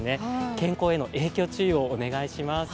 健康への影響、注意をお願いします。